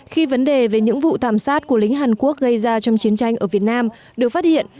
khi vấn đề về những vụ thảm sát của lính hàn quốc gây ra trong chiến tranh ở việt nam được phát hiện